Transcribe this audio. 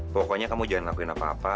pokoknya kamu jangan lakuin apa apa